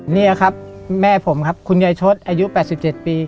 นี่ครับแม่ผมครับคุณยายชดอายุ๘๗ปี